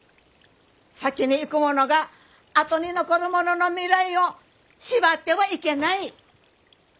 先に逝く者が後に残る者の未来を縛ってはいけない。